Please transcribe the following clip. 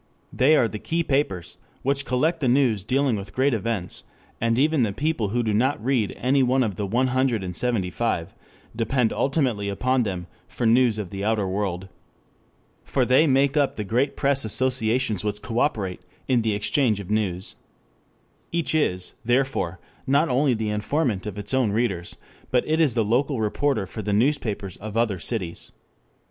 They are the key papers which collect the news dealing with great events, and even the people who do not read any one of the one hundred and seventy five depend ultimately upon them for news of the outer world. For they make up the great press associations which coöperate in the exchange of news. Each is, therefore, not only the informant of its own readers, but it is the local reporter for the newspapers of other cities.